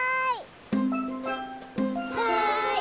はい。